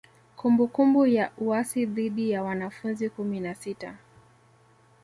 Kumbukumbu ya uasi dhidi ya wanafunzi kumi na sita